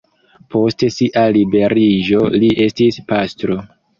Post sia liberiĝo li estis pastro.